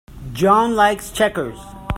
John likes checkers.